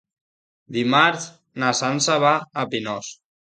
Dimarts na Sança va a Pinós.